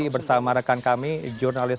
bersama rekan kami jurnalis